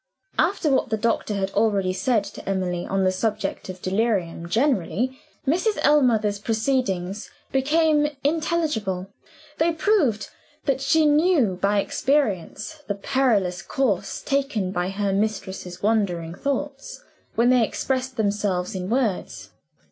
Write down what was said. After what the doctor had already said to Emily, on the subject of delirium generally, Mrs. Ellmother's proceedings became intelligible: they proved that she knew by experience the perilous course taken by her mistress's wandering thoughts, when they expressed themselves in words.